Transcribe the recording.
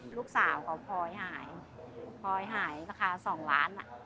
ลูกสาวของพลอยหายพลอยหายราคาสองล้านอ่ะ